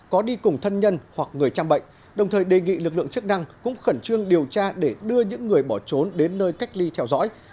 có đi cùng thân nhân hoặc người trăm bệnh đồng thời đề nghị lực lượng chức năng cũng khẩn trương điều tra để đưa những người bỏ trốn đến nơi cách ly theo dõi